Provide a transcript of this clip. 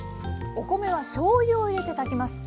お米はしょうゆを入れて炊きます。